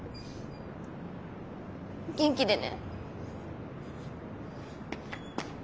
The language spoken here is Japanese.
元気でね。